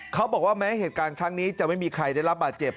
เขาบอกว่าแม้เหตุการณ์ครั้งนี้จะไม่มีใครได้รับบาดเจ็บ